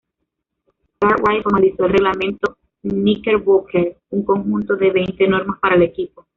Cartwright formalizó el Reglamento Knickerbocker, un conjunto de veinte normas para el equipo.